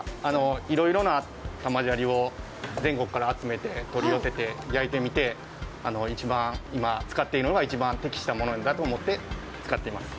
いろいろな玉砂利を全国から取り寄せて焼いてみて、今使っているのが一番適しているものだと思って使っています。